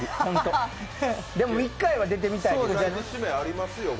でも１回は出てみたい。